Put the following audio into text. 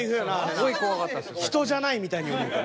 人じゃないみたいに思うた。